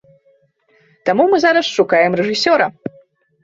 Таму мы зараз шукаем рэжысёра.